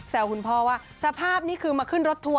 คุณพ่อว่าสภาพนี่คือมาขึ้นรถทัวร์